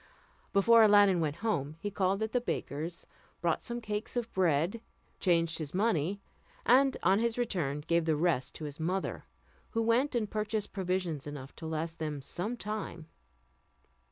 Before Aladdin went home, he called at a baker's, bought some cakes of bread, changed his money, and on his return gave the rest to his mother, who went and purchased provisions enough to last them some time.